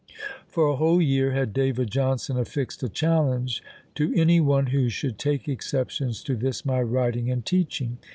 For a whole year had David Johnson affixed a challenge "To any one who should take exceptions to this my writing and teaching."